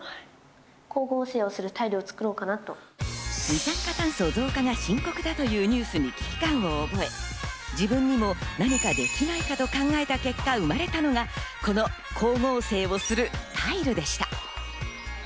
二酸化炭素増加が深刻だというニュースに危機感を覚え、自分にも何かできないかと考えた結果、生まれたのがこの光合成をするタイルでした。